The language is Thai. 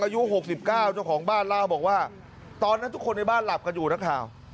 อายุ๖๙เจ้าของบ้านเล่าบอกว่าตอนนั้นทุกคนในบ้านหลับกันอยู่นักข่าว